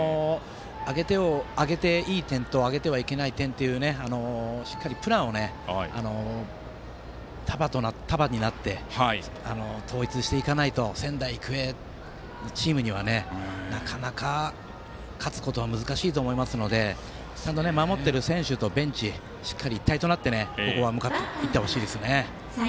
あげていい点とあげてはいけない点というのをそういうプランを束になって統一していかないと仙台育英というチームにはなかなか、勝つことは難しいと思いますので守っている選手とベンチが一体となって向かっていってほしいですね。